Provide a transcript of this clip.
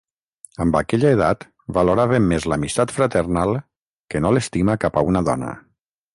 Amb aquella edat valoràvem més l'amistat fraternal que no l'estima cap a una dona.